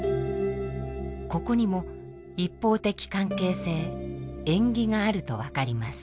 ここにも一方的関係性縁起があると分かります。